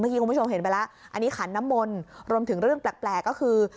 คุณผู้ชมเห็นไปแล้วอันนี้ขันน้ำมนต์รวมถึงเรื่องแปลกก็คือ